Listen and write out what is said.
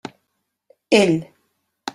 Ell.